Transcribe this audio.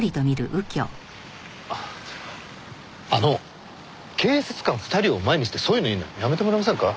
あの警察官２人を前にしてそういうの言うのやめてもらえませんか？